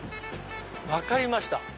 分かりました。